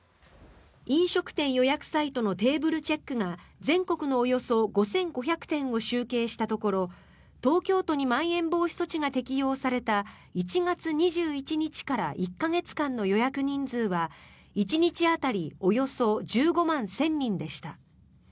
飲食店予約サイトのテーブルチェックが全国のおよそ５５００店を集計したところ東京都にまん延防止措置が適用された１月２１日から１か月間の予約人数は１日当たりおよそ１５万１０００人でした。